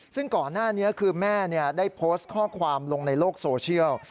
ซึ่งก่อนหน้านี้คือแม่ได้โพสต์ข้อความลงในโลกโซเชียล